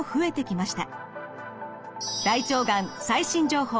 「大腸がん最新情報」